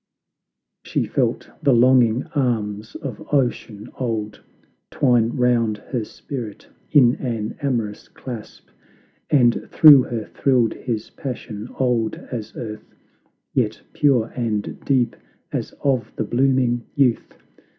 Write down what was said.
She felt the longing arms of Ocean old Twine round her spirit in an amorous clasp, And through her thrilled his passion, old as earth, Yet pure and deep as of the blooming youth.